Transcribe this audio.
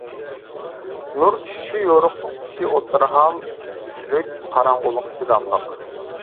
نۇر چۈشۈشى يورۇقلۇق كۈچى ئوتتۇرا ھال كۈچلۈك، قاراڭغۇلۇققا چىداملىق.